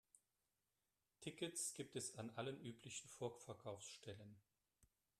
Tickets gibt es an allen üblichen Vorverkaufsstellen.